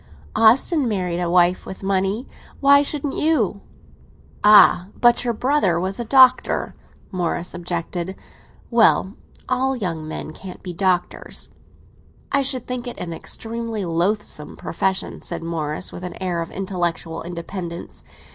"Austin married a wife with money—why shouldn't you?" "Ah! but your brother was a doctor," Morris objected. "Well, all young men can't be doctors!" "I should think it an extremely loathsome profession," said Morris, with an air of intellectual independence.